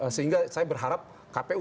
sehingga saya berharap kpu